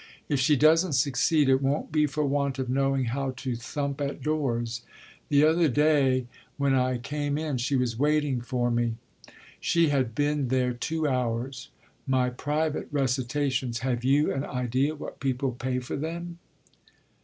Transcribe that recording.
If she doesn't succeed it won't be for want of knowing how to thump at doors. The other day when I came in she was waiting for me; she had been there two hours. My private recitations have you an idea what people pay for them?"